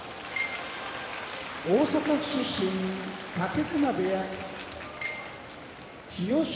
大阪府出身武隈部屋千代翔